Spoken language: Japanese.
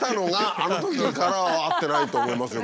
あのときからは会ってないと思いますよ